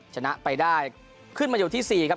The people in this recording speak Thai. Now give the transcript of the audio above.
ชนะไปได้ขึ้นมาอยู่ที่๔ครับ